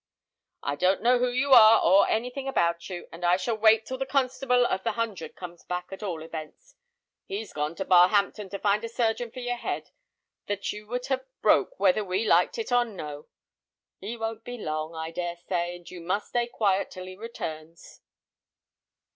"I don't know who you are, or anything about you; and I shall wait till the constable of the hundred comes back, at all events. He's gone to Barhampton to find a surgeon for your head, that you would have broke, whether we liked it or no. He won't be long, I dare say, and you must stay quiet till he returns."